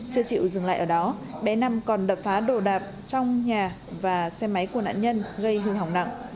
chưa chịu dừng lại ở đó bé năm còn đập phá đổ đạp trong nhà và xe máy của nạn nhân gây hương hỏng nặng